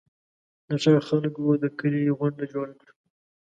د ښار خلکو د کلي غونډه جوړه کړه.